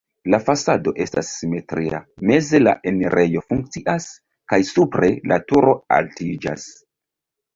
La fasado estas simetria, meze la enirejo funkcias kaj supre la turo altiĝas.